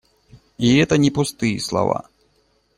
И это не пустые слова.